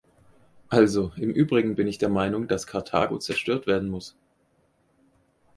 Also: ‚Im Übrigen bin ich der Meinung, dass Karthago zerstört werden muss‘.